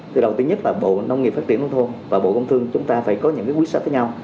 thì đầu tiên nhất là bộ nông nghiệp phát triển nông thôn và bộ công thương chúng ta phải có những cái quy sát với nhau